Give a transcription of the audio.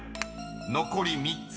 残り３つ］